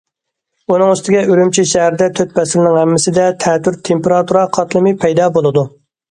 ئۇنىڭ ئۈستىگە ئۈرۈمچى شەھىرىدە تۆت پەسىلنىڭ ھەممىسىدە تەتۈر تېمپېراتۇرا قاتلىمى پەيدا بولىدۇ.